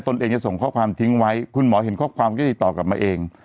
ตนเองจะส่งข้อความทิ้งไว้คุณหมอเห็นข้อความก็ติดต่อกลับมาเอง